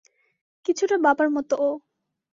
কিছুটা বাবার মত ও।